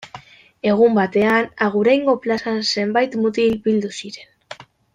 Egun batean Aguraingo plazan zenbait mutil bildu ziren.